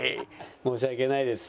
申し訳ないです。